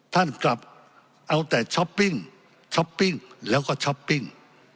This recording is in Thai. ท่านกลับเอาแต่ช้อปปิ้งช้อปปิ้งแล้วก็ช้อปปิ้ง